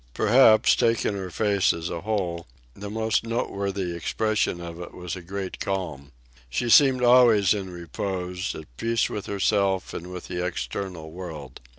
Perhaps, taking her face as a whole, the most noteworthy expression of it was a great calm. She seemed always in repose, at peace with herself and with the external world.